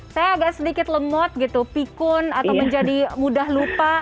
saya agak sedikit lemot gitu pikun atau menjadi mudah lupa